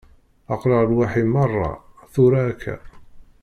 Aql-aɣ lwaḥi merra, tura akka.